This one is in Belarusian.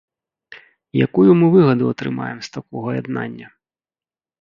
Якую мы выгаду атрымаем з такога яднання?